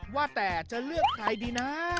ว่าแต่จะเลือกใครดีนะ